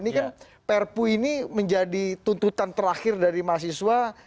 ini kan perpu ini menjadi tuntutan terakhir dari mahasiswa